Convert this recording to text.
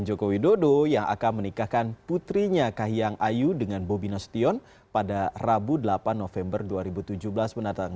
joko widodo yang akan menikahkan putrinya kahiyang ayu dengan bobi nasution pada rabu delapan november dua ribu tujuh belas mendatang